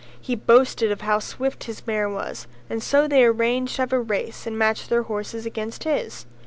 He boasted of how swift his mare was and so they arranged to have a race and match their horses against his.